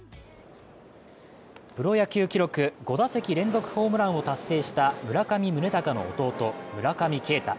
プロ野球記録、５打席連続ホームランを達成した村上宗隆の弟、村上慶太。